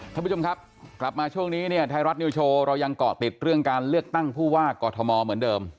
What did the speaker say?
ท่านผู้ชมครับกลับมาช่วงนี้เนี่ยไทยรัฐนิวโชว์เรายังเกาะติดเรื่องการเลือกตั้งผู้ว่ากอทมเหมือนเดิม